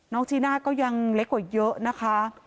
จีน่าก็ยังเล็กกว่าเยอะนะคะ